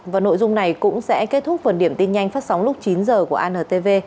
và nội dung này cũng sẽ kết thúc phần điểm tin nhanh phát sóng lúc chín h của antv